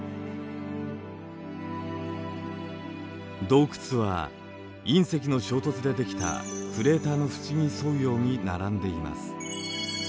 洞窟は隕石の衝突でできたクレーターのふちに沿うように並んでいます。